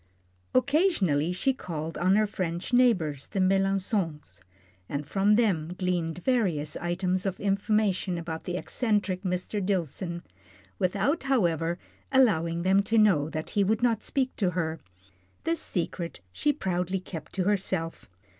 Occasionally she called on her French neighbours, the Melançons, and from them gleaned various items of information about the eccentric Mr. Dillson, without, however, allowing them to know that he would not speak to her. This secret she proudly kept to herself.